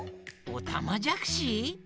おたまじゃくし？